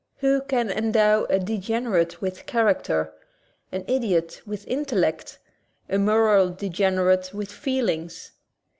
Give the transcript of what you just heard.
Who can endow a degen erate with character, an idiot with intellect, a moral degenerate with feelings?